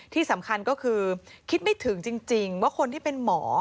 ที่สำคัญก็คือคิดไม่ถึงจริงว่าคนที่เป็นหมอ